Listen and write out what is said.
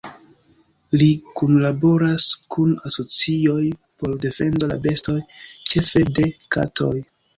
Li kunlaboras kun asocioj por defendo de bestoj, ĉefe de katoj.